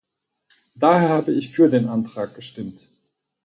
Daher habe ich für den Antrag gestimmt.